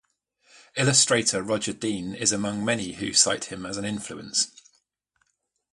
Illustrator Roger Dean is among many who cite him as an influence.